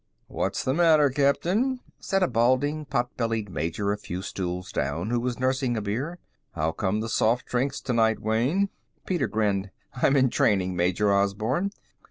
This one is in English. "What's the matter, Captain?" said a balding, potbellied major a few stools down, who was nursing a beer. "How come the soft drinks tonight, Wayne?" Peter grinned. "I'm in training, Major Osborne.